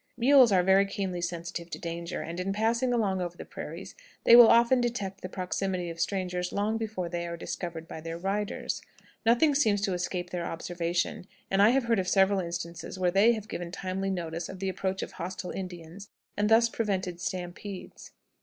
Mules are very keenly sensitive to danger, and, in passing along over the prairies, they will often detect the proximity of strangers long before they are discovered by their riders. Nothing seems to escape their observation; and I have heard of several instances where they have given timely notice of the approach of hostile Indians, and thus prevented stampedes.